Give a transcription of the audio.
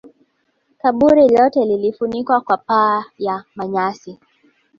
kaburi lote lilifunikwa kwa paa ya manyasi